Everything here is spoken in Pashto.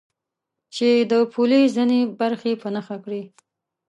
چې د پولې ځینې برخې په نښه کړي.